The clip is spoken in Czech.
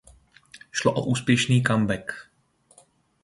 Šlo o úspěšný comeback.